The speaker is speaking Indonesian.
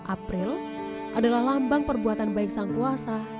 april adalah lambang perbuatan baik sang kuasa